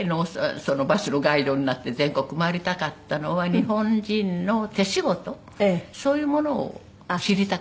バスのガイドになって全国回りたかったのは日本人の手仕事そういうものを知りたかった。